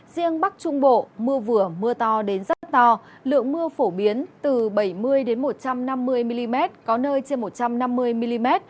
riêng bắc trung bộ mưa vừa mưa to đến rất to lượng mưa phổ biến từ bảy mươi một trăm năm mươi mm có nơi trên một trăm năm mươi mm